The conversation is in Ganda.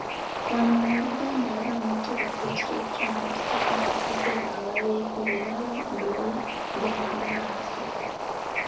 Wano mu Buganda abaana tubakuutira okutwala empisa za bakadde baabwe babeeko bye balondoola okugenda mu maaso.